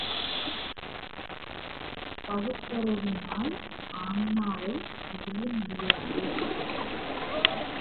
பகுத்தறிவினால் ஆன்மாவை அறிய முடியாது.